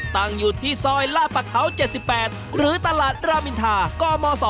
ตั้งอยู่ที่ซอยลาดประเขา๗๘หรือตลาดรามินทากม๒